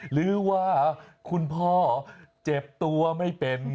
หรือว่าคุณพ่อเจ็บตัวไม่เป็น